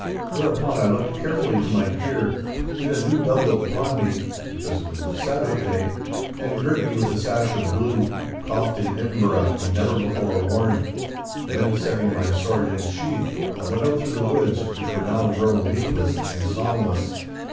Whereupon I looked carefully to my gear, did a new doublet upon me (because it was the Sabbath day) and girt me with a sash of blue, coft in Edinburgh and never before worn. Then setting my sword in its sheath, I went out through the woods, which were now grown leafless and songless.